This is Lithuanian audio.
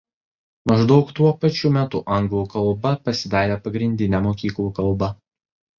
Maždaug tuo pačiu metu anglų kalba pasidarė pagrindine mokyklų kalba.